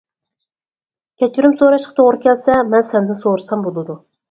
كەچۈرۈم سوراشقا توغرا كەلسە مەن سەندىن سورىسام بولىدۇ.